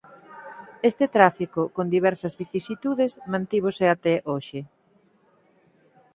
Este tráfico con diversas vicisitudes mantívose até hoxe.